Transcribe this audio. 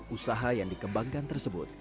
usaha yang dikembangkan tersebut